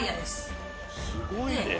すごいね！